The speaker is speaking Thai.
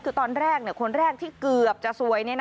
คือตอนแรกคนแรกที่เกือบจะซวย